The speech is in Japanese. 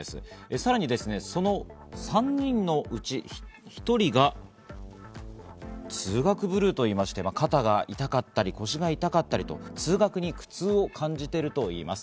さらにその３人のうち、１人が通学ブルーといいまして肩が痛かったり、腰が痛かったりと、通学に苦痛を感じているといいます。